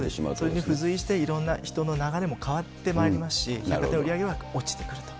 それに付随していろんな人の流れも変わってまいりますし、やがて売り上げは落ちてくると。